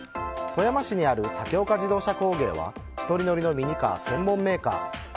富山市にあるタケオカ自動車工芸は１人乗りのミニカー専門メーカー。